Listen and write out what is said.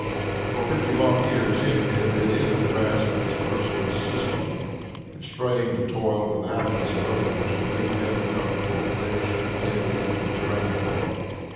For fifty long years Henry had been in the grasp of this merciless system constrained to toil for the happiness of others, to make them comfortable, rich, indolent, and tyrannical.